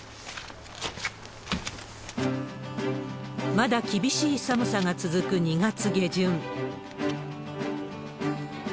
まだ厳しい寒さが続く２月下旬。